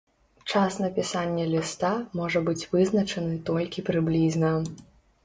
Час напісання ліста можа быць вызначаны толькі прыблізна.